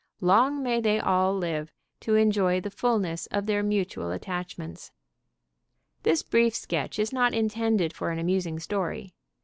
Long may they all live to enjoy the fulness of their mutual attachments! This brief sketch is not intended for an amusing story.